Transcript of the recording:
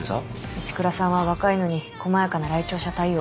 石倉さんは若いのに細やかな来庁者対応。